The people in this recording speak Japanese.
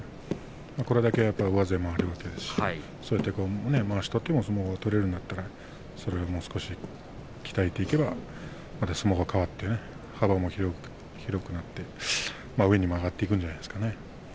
これだけ上背もあるわけですしまわしを取っても相撲を取れるんだったら、それも少し鍛えていけば相撲が変わって幅も広くなって上にも上がっていくではないでしょうかね。